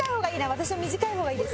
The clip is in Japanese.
私は短い方がいいです。